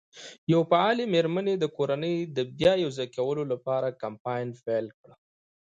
یوه فعالې مېرمن د کورنۍ د بیا یو ځای کولو لپاره کمپاین پیل کړ.